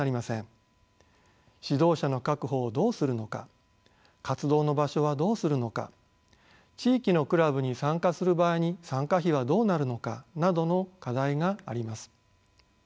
指導者の確保をどうするのか活動の場所はどうするのか地域のクラブに参加する場合に参加費はどうなるのかなどの課題があります。